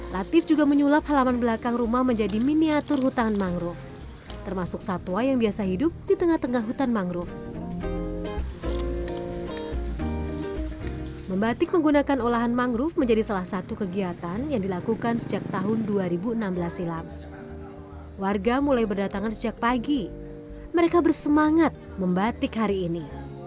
latif juga menyulap halaman belakang rumah menjadi miniatur hutang dan rumah berdikari